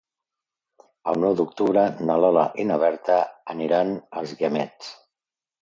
El nou d'octubre na Lola i na Berta aniran als Guiamets.